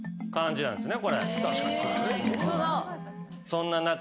そんな中。